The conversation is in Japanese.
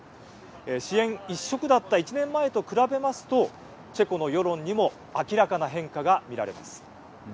支援一色だった１年前と比べますとチェコの世論にも明らかな変化が見られます。